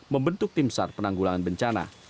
membentuk tim saham